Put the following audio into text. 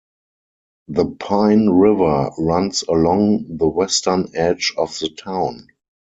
The Pine River runs along the western edge of the town.